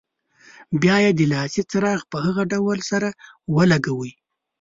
بیا یې د لاسي چراغ په هغه ډول سره ولګوئ.